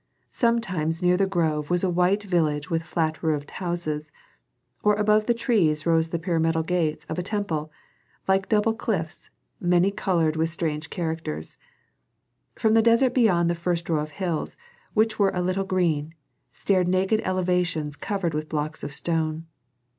Sometimes near the grove was a white village with flat roofed houses, or above the trees rose the pyramidal gates of a temple, like double cliffs, many colored with strange characters. From the desert beyond the first row of hills, which were a little green, stared naked elevations covered with blocks of stone.